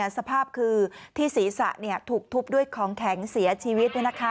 สภาพคือที่ศีรษะถูกทุบด้วยของแข็งเสียชีวิต